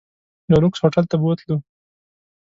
یو لوکس هوټل ته بوتلو.